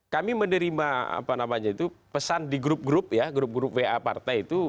kami menerima pesan di grup grup ya grup grup wa partai itu